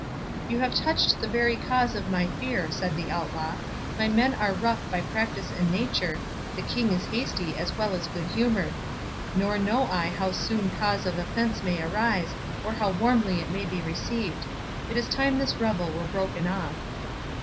"You have touched the very cause of my fear," said the Outlaw; "my men are rough by practice and nature, the King is hasty as well as good humoured; nor know I how soon cause of offence may arise, or how warmly it may be received—it is time this revel were broken off."